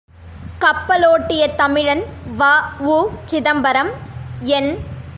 கப்பலோட்டிய தமிழன் வ.உ.சிதம்பரம் என்.